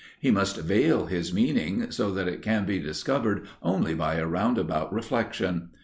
He must veil his meaning so that it can be discovered only by a roundabout reflection.